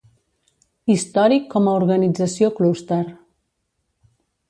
Històric com a organització clúster.